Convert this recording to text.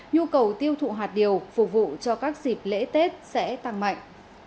nhu cầu tiêu thụ hạt điều phục vụ cho các dịp lễ tết sẽ tăng mạnh